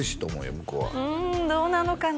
向こうはうんどうなのかな？